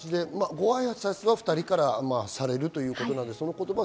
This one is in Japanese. ごあいさつは２人からされるということですね。